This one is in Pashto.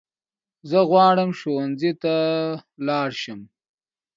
زه غواړم ښونځي ته لاړشم